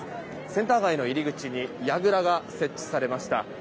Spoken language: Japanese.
センター街の入り口にやぐらが設置されました。